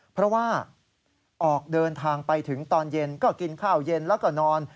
เพราะว่าออกเดินทางไปถึงตอนเย็นก็กินข้าวเย็นแล้วก็นอน